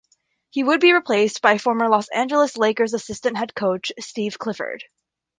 He would be replaced by former Los Angeles Lakers assistant head coach Steve Clifford.